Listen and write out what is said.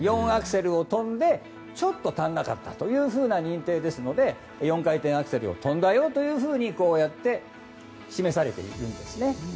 ４アクセルを跳んでちょっと足りなかったという判定ですので４回転アクセルを跳んだよというふうに示されているんです。